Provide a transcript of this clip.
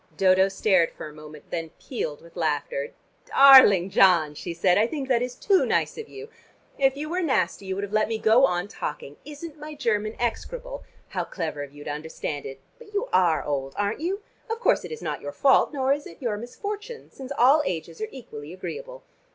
Dodo stared for a moment, then pealed with laughter. "Darling John," she said, "I think that is too nice of you. If you were nasty you would have let me go on talking. Isn't my German execrable? How clever of you to understand it! But you are old, aren't you? Of course it is not your fault, nor is it your misfortune, since all ages are equally agreeable.